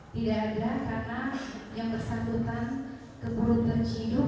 tidak ada karena yang bersambutan keburu terciduk